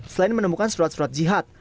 selain menemukan surat surat jihad